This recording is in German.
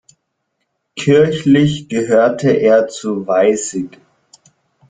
Kirchlich gehörte er zu Weißig.